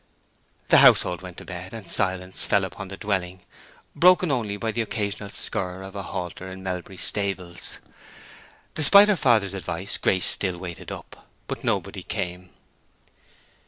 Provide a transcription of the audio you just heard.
The household went to bed, and a silence fell upon the dwelling, broken only by the occasional skirr of a halter in Melbury's stables. Despite her father's advice Grace still waited up. But nobody came.